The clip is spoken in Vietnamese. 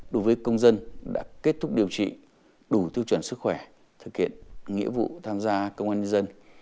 đối với công dân đã kết thúc điều trị đủ tiêu chuẩn sức khỏe thực hiện nghĩa vụ tham gia công an nhân dân